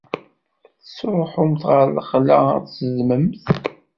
Tettṛuḥumt ɣer lexla ad zedmemt?